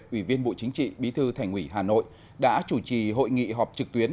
ủy viên bộ chính trị bí thư thành ủy hà nội đã chủ trì hội nghị họp trực tuyến